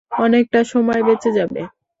অনেকটা সময় বেঁচে যাবে!